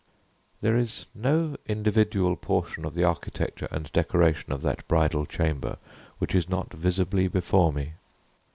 There is no individual portion of the architecture and decoration of that bridal chamber which is not visibly before me.